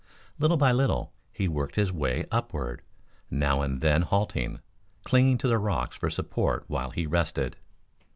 Little by little he worked his way upward, Now and then halting, clinging to the rocks for support while he rested.